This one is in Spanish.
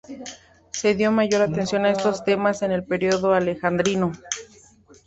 Se dio mayor atención a estos temas en el periodo alejandrino.